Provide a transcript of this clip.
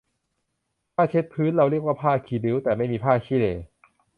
ผ้าเช็ดพื้นเราเรียกว่าผ้าขี้ริ้ว แต่ไม่มีผ้าขี้เหร่